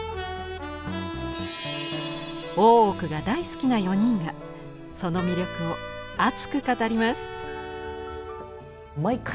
「大奥」が大好きな４人がその魅力を熱く語ります。